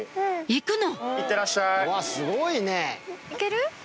行くの⁉